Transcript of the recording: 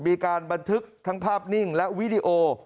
มีการบันทึกทั้งภาพนิ่งและวิดีโอ